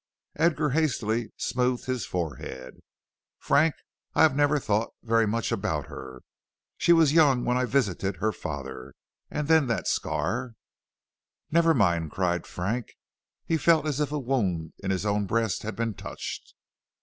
" Edgar hastily smoothed his forehead. "Frank, I have never thought very much about her. She was young when I visited her father, and then that scar " "Never mind," cried Frank. He felt as if a wound in his own breast had been touched.